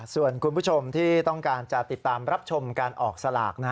ส่วนคุณผู้ชมที่ต้องการจะติดตามรับชมการออกสลาก